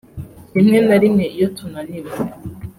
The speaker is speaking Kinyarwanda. rimwe na rimwe iyo tunaniwe